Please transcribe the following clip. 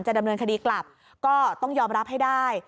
ดำเนินคดีกลับก็ต้องยอมรับให้ได้